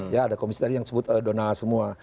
ya ada komisi tadi yang disebut donal semua